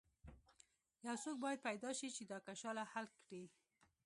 یو څوک باید پیدا شي چې دا کشاله حل کړي.